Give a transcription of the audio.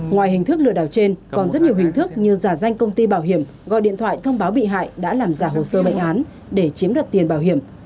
ngoài hình thức lừa đảo trên còn rất nhiều hình thức như giả danh công ty bảo hiểm gọi điện thoại thông báo bị hại đã làm giả hồ sơ bệnh án để chiếm đoạt tiền bảo hiểm